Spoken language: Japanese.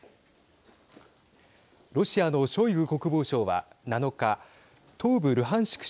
ロシアのショイグ国防相は７日、東部ルハンシク